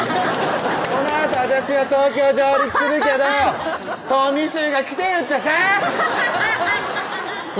「このあと私は東京上陸するけどとみしゅうが来てるってさ！」